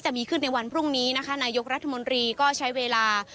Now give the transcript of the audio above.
เชิญค่ะเชิญค่ะ